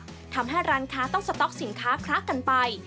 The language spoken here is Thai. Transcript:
ซึ่งทำให้ร้านค้าขายสินค้าคล้ากันไป